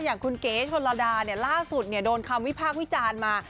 อย่างคุณเก๋ชนระดาล่าสุดโดนคำวิพากษ์วิจารณ์มา